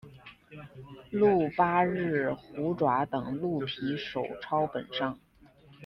鹿八日虎爪等鹿皮手抄本上。